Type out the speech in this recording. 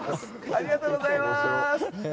ありがとうございます！